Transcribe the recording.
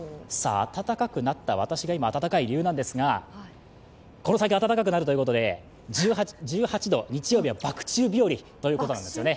私が今、暖かい理由なんですが、この先暖かくなるということで１８度、日曜日はバク宙日和ということなんですよね。